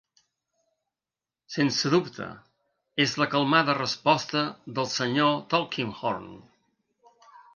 "Sense dubte", és la calmada resposta del senyor Tulkinghorn.